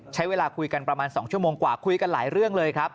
ใช้เวลาคุยกันประมาณ๒ชั่วโมงกว่าคุยกันหลายเรื่องเลยครับ